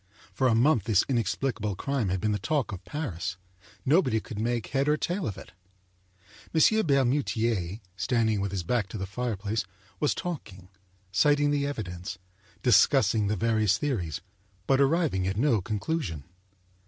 For a month this in explicable crime had been the talk of Paris. Nobody could make head or tail of it. M. Bermutier, standing with his back to the fireplace, was talking, citing the evidence, discussing the various theories, but arriving at no conclusion.